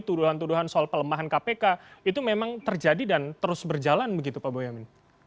tuduhan tuduhan soal pelemahan kpk itu memang terjadi dan terus berjalan begitu pak boyamin